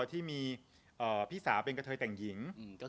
ที่มีพี่สาวเป็นกระเทยแต่งหญิง